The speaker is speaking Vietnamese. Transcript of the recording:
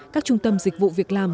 các trung tâm dịch vụ việc làm